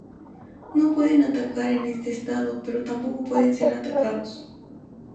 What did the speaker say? No pueden atacar en este estado pero tampoco pueden ser atacados.